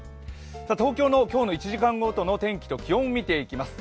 東京の今日の１時間ごとの天気と気温を見ていきます。